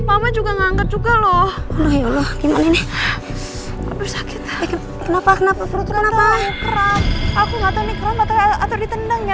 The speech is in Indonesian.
aku gak tau nih keren atau ditendangnya